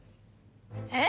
えっ！？